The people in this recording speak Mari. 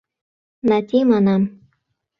— Нати, манам...